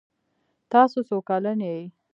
تاسو څو کلن یې؟